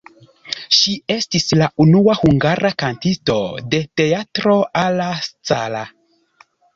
Ŝi estis la unua hungara kantisto de Teatro alla Scala.